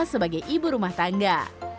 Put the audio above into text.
sebagai ibu rumah tangga